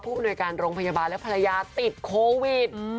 อำนวยการโรงพยาบาลและภรรยาติดโควิด